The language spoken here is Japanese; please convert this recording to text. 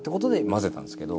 混ぜたんですけど。